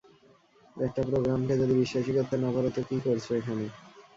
একটা প্রোগ্রামকে যদি বিশ্বাসই করতে না পারো তো কী করছ এখানে?